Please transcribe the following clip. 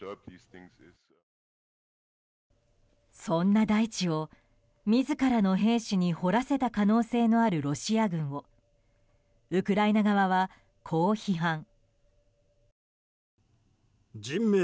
そんな大地を自らの兵士に掘らせた可能性のあるロシア軍をウクライナ側は、こう批判。